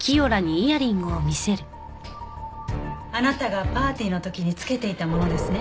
あなたがパーティーの時につけていたものですね？